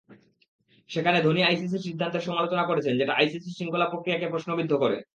সেখানে ধোনি আইসিসির সিদ্ধান্তের সমালোচনা করেছেন, যেটা আইসিসির শৃঙ্খলা প্রক্রিয়াকে প্রশ্নবিদ্ধ করে।